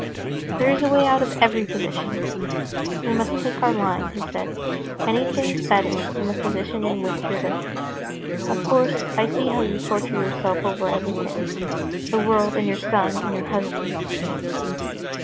"There is a way out of every position. We must take our line," he said. "Anything's better than the position in which you're living. Of course, I see how you torture yourself over everything—the world and your son and your husband."